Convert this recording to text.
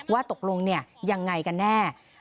ว่าตกลงยังไงกันแน่